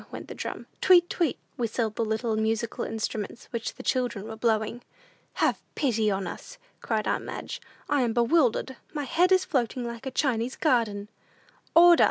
went the drum. "Tweet, tweet," whistled the little musical instruments which the children were blowing. "Have pity on us!" cried aunt Madge; "I am bewildered; my head is floating like a Chinese garden." "Order!"